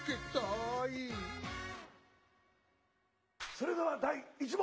それでは第１問。